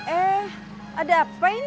eh ada apa